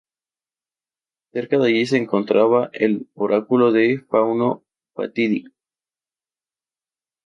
Cerca de allí se encontraba el oráculo de Fauno Fatídico.